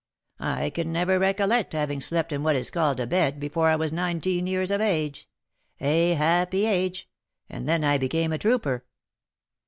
I can never recollect having slept in what is called a bed before I was nineteen years of age, a happy age! and then I became a trooper."